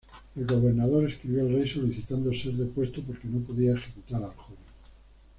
El gobernador escribió al rey solicitando ser depuesto porque no podía ejecutar al joven.